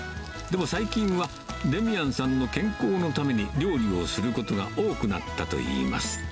でも最近は、デミアンさんの健康のために料理をすることが多くなったといいます。